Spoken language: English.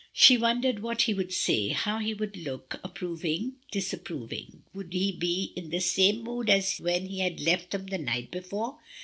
She won dered what he would say^ how he would look — ap proving? disapproving? Would he be in the same mood as when he had left them the night before?